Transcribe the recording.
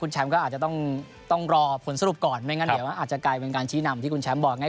แชมป์ก็อาจจะต้องรอผลสรุปก่อนไม่งั้นเดี๋ยวมันอาจจะกลายเป็นการชี้นำที่คุณแชมป์บอกง่าย